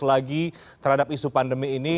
lagi terhadap isu pandemi ini